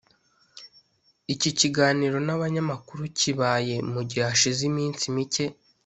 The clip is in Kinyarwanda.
Iki kiganiro n’abanyamakuru kibaye mu gihe hashize iminsi mike